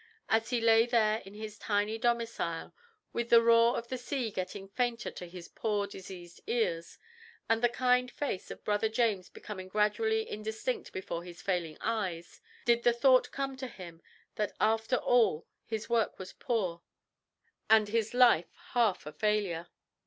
As he lay there in his tiny domicile, with the roar of the sea getting fainter to his poor diseased ears, and the kind face of Brother James becoming gradually indistinct before his failing eyes, did the thought come to him that after all his work was poor, and his life half a failure?